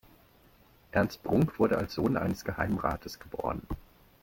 Ernst Brunk wurde als Sohn eines Geheimrates geboren.